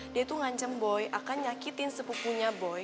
dia tuh ngancem boy akan nyakitin sepupunya boy